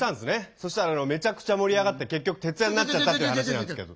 そしたらあのめちゃくちゃ盛り上がって結局徹夜になっちゃったっていう話なんですけど。